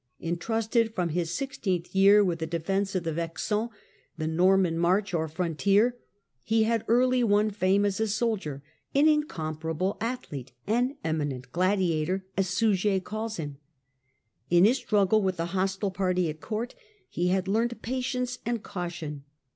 Entrusted from his sixteenth year with the defence of the Vexin, the Norman " march " or frontier, he had early won fame as a soldier, " an incomparable athlete and eminent gladiator," as Suger calls him. In his struggle with the hostile party at Court, he had learnt patience and caution.